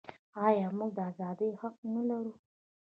آیا موږ د ازادۍ حق نلرو؟